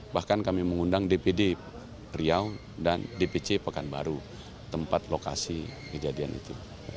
bahkan kami mengundang dpd riau dan dpc pekanbaru tempat lokasi kejadian itu